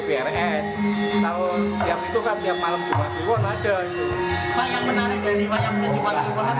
pak yang menarik dari wayang kulit jumat kliwon apa